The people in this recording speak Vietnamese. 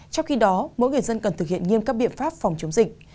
trong khi đó mỗi người dân cần thực hiện nghiêm các biện pháp phòng chống dịch